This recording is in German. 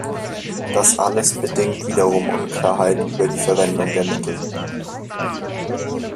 Das alles bedingt wiederum Unklarheit über die Verwendung der Mittel.